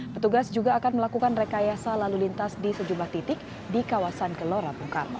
petugas juga akan melakukan rekayasa lalu lintas di sejumlah titik di kawasan gelora bung karno